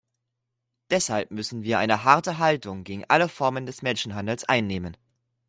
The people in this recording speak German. Deshalb müssen wir eine harte Haltung gegen alle Formen des Menschenhandels einnehmen.